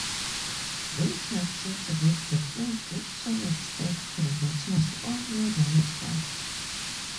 These have since been replaced with solid state converters on new rolling stock.